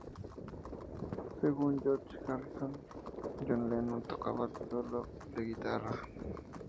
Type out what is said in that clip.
Según George Harrison, John Lennon tocaba el solo de guitarra.